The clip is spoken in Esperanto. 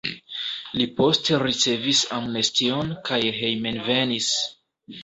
Li poste ricevis amnestion kaj hejmenvenis.